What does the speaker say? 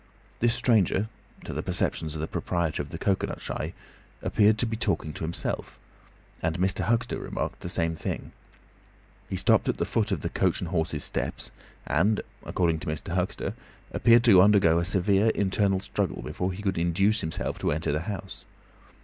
This stranger, to the perceptions of the proprietor of the cocoanut shy, appeared to be talking to himself, and Mr. Huxter remarked the same thing. He stopped at the foot of the "Coach and Horses" steps, and, according to Mr. Huxter, appeared to undergo a severe internal struggle before he could induce himself to enter the house.